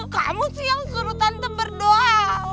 kamu sih yang suruh tante berdoa